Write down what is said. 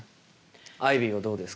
アイビーはどうですか？